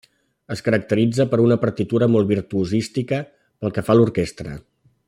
Es caracteritza per una partitura molt virtuosística pel que fa a l'orquestra.